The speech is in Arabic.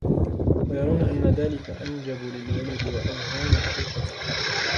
وَيَرَوْنَ أَنَّ ذَلِكَ أَنْجَبُ لِلْوَلَدِ وَأَبْهَى لِلْخِلْقَةِ